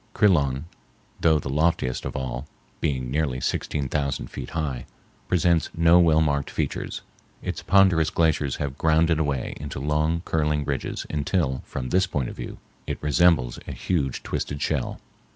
Crillon, though the loftiest of all (being nearly sixteen thousand feet high), presents no well marked features. Its ponderous glaciers have ground it away into long, curling ridges until, from this point of view, it resembles a huge twisted shell.